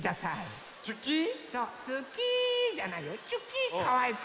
そう「すき」じゃないよ「ちゅき」。かわいく。